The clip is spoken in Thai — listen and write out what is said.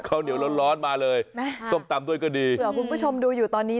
ข้าวเหนียวร้อนร้อนมาเลยส้มตำด้วยก็ดีเผื่อคุณผู้ชมดูอยู่ตอนนี้